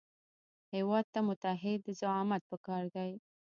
هېواد ته متعهد زعامت پکار دی